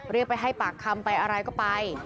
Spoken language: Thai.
เรียกไปให้ปากคำไปอะไรก็ไป